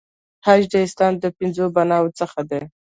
حج د اسلام د پنځو بناوو څخه دی.